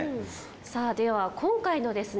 さぁでは今回のですね